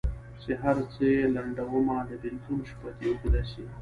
چي هر څو یې لنډومه د بېلتون شپه دي اوږده سي